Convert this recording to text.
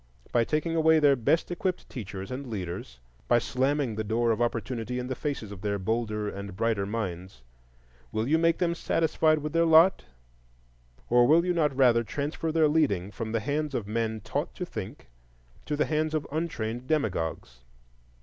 By taking away their best equipped teachers and leaders, by slamming the door of opportunity in the faces of their bolder and brighter minds, will you make them satisfied with their lot? or will you not rather transfer their leading from the hands of men taught to think to the hands of untrained demagogues?